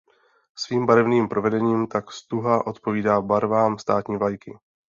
Svým barevným provedením tak stuha odpovídá barvám státní vlajky.